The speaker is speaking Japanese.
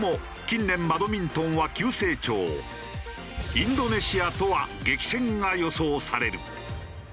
インドネシアとは激戦が予想される。